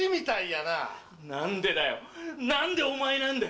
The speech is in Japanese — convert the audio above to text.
なんでだよ、なんでお前なんだよ？